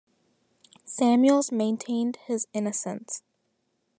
Samuels maintained his innocence.